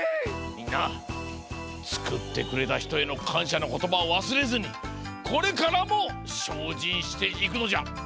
みんなつくってくれたひとへのかんしゃのことばをわすれずにこれからもしょうじんしていくのじゃ。